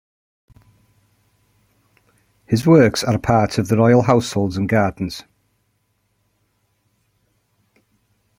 His works are a part of the royal households and gardens.